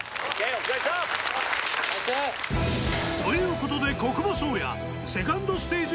お疲れっした！ということで小久保颯弥セカンドステージ